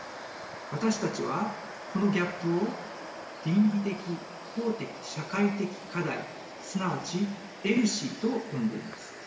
私たちはこのギャップを倫理的・法的・社会的課題すなわちＥＬＳＩと呼んでいます。